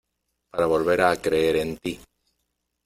para volver a creer en ti.